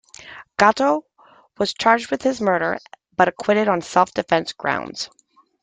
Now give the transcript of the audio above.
Gatto was charged with his murder but acquitted on self-defence grounds.